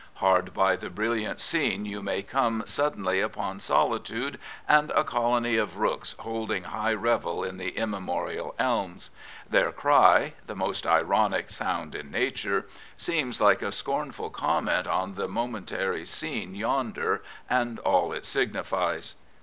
Hard by the brilliant scene you may *come suddenly upon solitude and a colony of rooks holding high revel in the immemorial elms. Their cry — the most ironic sound in Nature — seems like a scornful comment on the momentary scene yonder and all it signifies.